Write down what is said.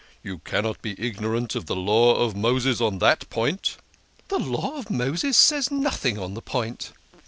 You cannot be ignorant of the Law of Moses on the point." " The Law of Moses says nothing on the point